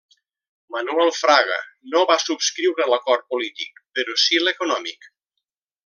Manuel Fraga no va subscriure l'acord polític, però sí l'econòmic.